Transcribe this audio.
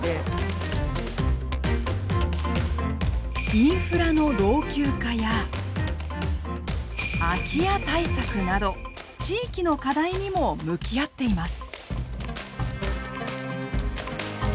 インフラの老朽化や空き家対策など地域の課題にも向き合っています！